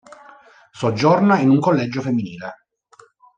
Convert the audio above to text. Soggiorna in un collegio femminile.